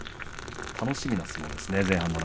楽しみな相撲ですね。